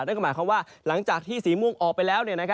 นั่นก็หมายความว่าหลังจากที่สีม่วงออกไปแล้ว